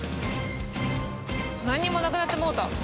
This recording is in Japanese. なんにもなくなってもうた。